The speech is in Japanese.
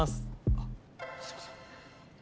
あっすいません。